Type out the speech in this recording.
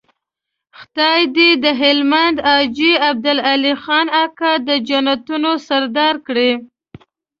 خدای دې د هلمند حاجي عبدالعلي خان اکا د جنتونو سردار کړي.